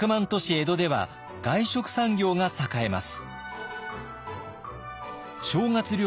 江戸では外食産業が栄えます。